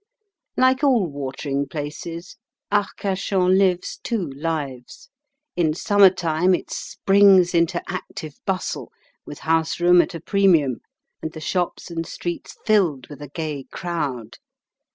Like all watering places, Arcachon lives two lives. In summer time it springs into active bustle, with house room at a premium, and the shops and streets filled with a gay crowd.